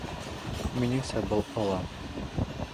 Минеңсә, был Алан.